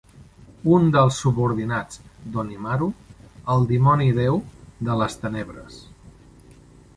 Un dels subordinats d'Onimaru, el Dimoni Déu de les Tenebres.